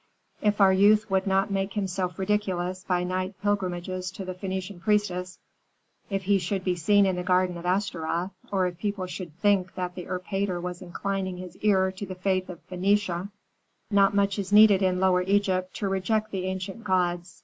"If our youth would not make himself ridiculous by night pilgrimages to the Phœnician priestess; if he should be seen in the garden of Astaroth, or if people should think that the erpatr was inclining his ear to the faith of Phœnicia Not much is needed in Lower Egypt to reject the ancient gods.